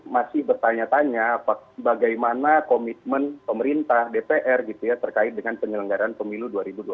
masih bertanya tanya bagaimana komitmen pemerintah dpr gitu ya terkait dengan penyelenggaran pemilu dua ribu dua puluh